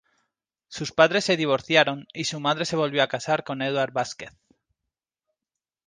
Sus padres se divorciaron y su madre se volvió a casar con Edward Vasquez.